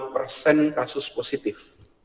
dua puluh persen kasus positif